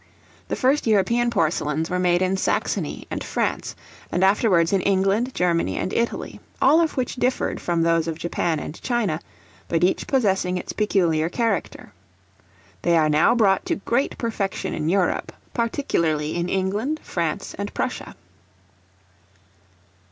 The first European porcelains were made in Saxony and France, and afterwards in England, Germany, and Italy, all of which differed from those of Japan and China, but each possessing its peculiar character. They are now brought to great perfection in Europe, particularly in England, France and Prussia.